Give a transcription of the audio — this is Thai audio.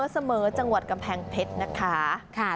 เสมอจังหวัดกำแพงเพชรนะคะ